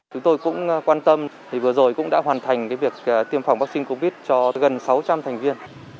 chúng tôi cũng quan tâm thì vừa rồi cũng đã hoàn thành việc tiêm phòng vaccine covid cho gần sáu trăm linh thành viên